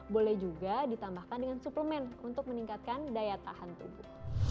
boleh juga ditambahkan dengan suplemen untuk meningkatkan daya tahan tubuh